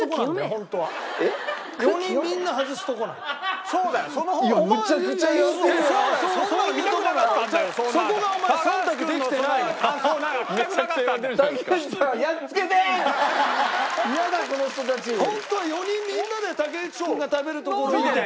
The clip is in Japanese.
本当は４人みんなで竹内君が食べるところを。